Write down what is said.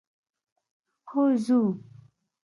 هو ځو.